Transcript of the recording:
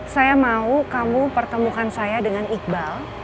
saya mau kamu pertemukan saya dengan iqbal